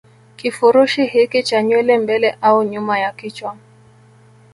Kifurushi hiki cha nywele mbele au nyuma ya kichwa